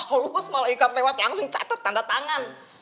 alus malaikat lewat langsung catet tanda tangan